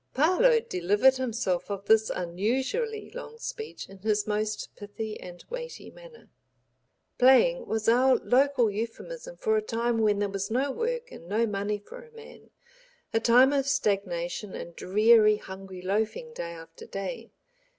Parload delivered himself of this unusually long speech in his most pithy and weighty manner. "Playing" was our local euphemism for a time when there was no work and no money for a man, a time of stagnation and dreary hungry loafing day after day.